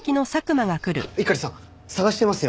猪狩さん捜してますよ